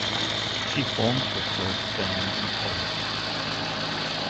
She formed her first band in college.